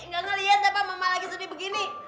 gak ngeliat apa mama lagi sedih begini